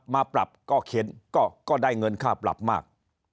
มาปรับก็เข็นก็ได้เงินค่าปรับมาก